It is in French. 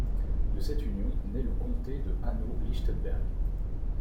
De cette union naît le comté de Hanau-Lichtenberg.